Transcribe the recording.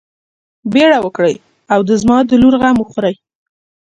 بيړه وکړئ او د زما د لور غم وخورئ.